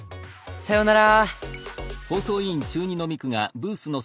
さようなら。